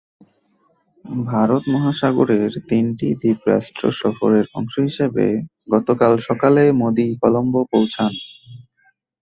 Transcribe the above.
ভারত মহাসাগরের তিনটি দ্বীপরাষ্ট্র সফরের অংশ হিসেবে গতকাল সকালে মোদি কলম্বো পৌঁছান।